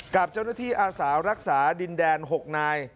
กับเจ้าหน้าที่อาสารักษาดินแดน๖นาย